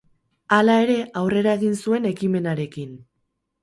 Hala ere, aurrera egin zuen ekimenarekin.